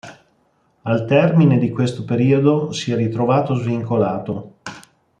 Al termine di questo periodo, si è ritrovato svincolato.